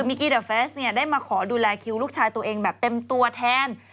วิกกี้เดอะเฟสได้มาขอดูแลคิวลูกชายตัวเองแบบเต็มตัวแทน